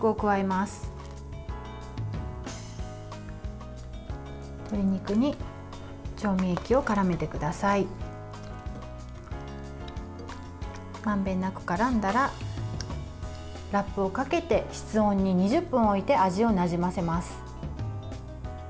まんべんなくからんだらラップをかけて室温に２０分置いて味をなじませます。